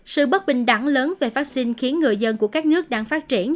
sự bất bình đẳng lớn về vaccine khiến người dân của các nước đang phát triển